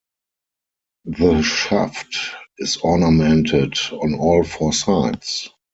The shaft is ornamented on all four sides.